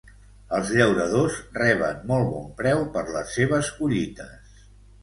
Els llauradors reben molt bon preu per les seves collites